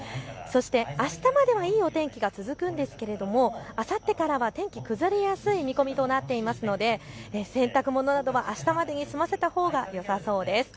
あしたまではいいお天気が続くんですがあさってからは天気崩れやすい見込みとなっているので洗濯物などはあしたまでに済ませたほうがよさそうです。